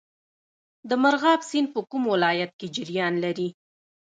د مرغاب سیند په کوم ولایت کې جریان لري؟